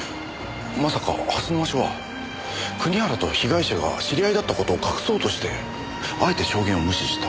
まさか蓮沼署は国原と被害者が知り合いだった事を隠そうとしてあえて証言を無視した。